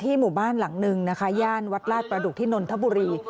หมู่บ้านหลังหนึ่งนะคะย่านวัดลาดประดุกที่นนทบุรี